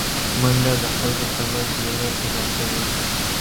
منډه د خلکو ترمنځ مینه پیداکوي